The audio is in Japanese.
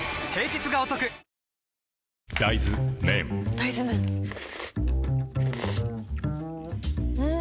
大豆麺ん？